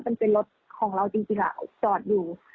มันเป็นรถของเราจริงจอดอยู่